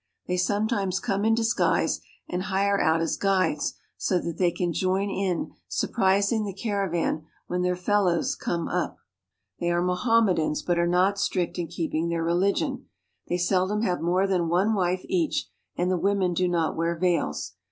They sometimes come in disguise and hire ut as guides, so that they can join in surprising the aravan when their fellows come up. ri A CARAVAN RIDE 73 They are Mohammedans, but are not strict in keeping ,eir religion. They seldom have more than one wife each, and the women do not wear veils.